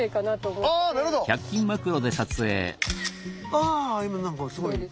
あ今なんかすごい。